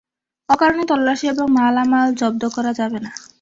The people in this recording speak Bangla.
অকারণে তল্লাশি এবং মালামাল জব্দ করা যাবে না।